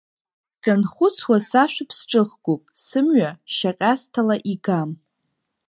Санхәыцуа сашәа ԥсҿыхгоуп, сымҩа шьаҟьасҭала игам.